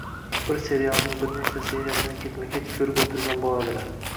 bir serialning bir nechta seriyasini ketma-ket ko‘rib o‘tirgan bo‘ladilar.